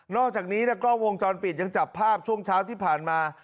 อกจากนี้กล้องวงจรปิดยังจับภาพช่วงเช้าที่ผ่านมา